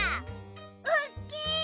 おっきい！